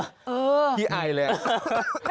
เออถี่ไอเลยครับ